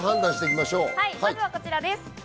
まずはこちらです。